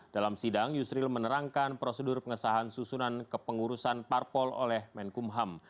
dalam sidang yusril menerangkan prosedur pengesahan susunan kepengurusan parpol oleh menkumham